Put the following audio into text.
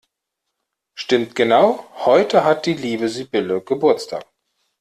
Stimmt genau, heute hat die liebe Sibylle Geburtstag!